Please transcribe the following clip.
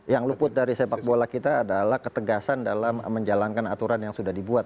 yang luput dari sepak bola kita adalah ketegasan dalam menjalankan aturan yang sudah dibuat